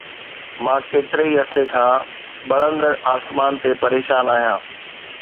مان ڪيتري ئي عرصي کان ٻرندڙ آسمان تي پريشان آهيان